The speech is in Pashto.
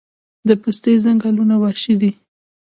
د پستې ځنګلونه وحشي دي؟